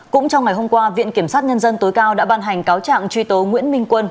cũng trong ngày hôm qua viện kiểm sát nhân dân tối cao đã ban hành cáo trạng truy tố nguyễn minh quân